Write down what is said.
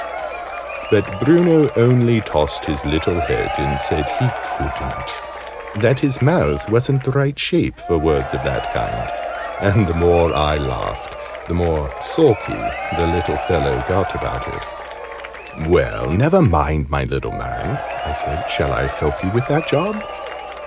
But Bruno only tossed his little head, and said he couldn't; that his mouth wasn't the right shape for words of that kind. And the more I laughed, the more sulky the little fellow got about it. "Well, never mind, my little man!" I said. "Shall I help you with that job?"